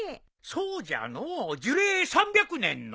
そうじゃのう樹齢３００年の。